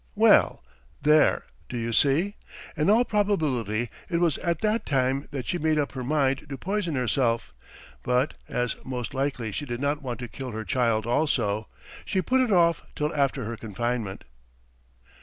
"Well, there, do you see? ... In all probability it was at that time that she made up her mind to poison herself, but, as most likely she did not want to kill her child also, she put it off till after her confinement."